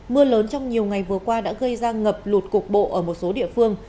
mưa lớn trong nhiều ngày vừa qua đã gây ra ngập lụt cục bộ ở một số địa phương